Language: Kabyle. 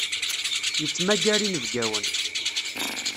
Yettmagar inebgawen.